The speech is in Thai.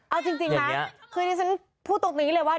เอาจริงนะคือที่ฉันพูดตรงนี้เลยว่า